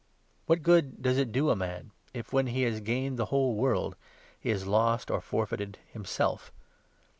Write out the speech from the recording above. What good does it do a man if, when he has gained the whole world, he has lost or forfeited himself?